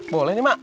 boleh nih mak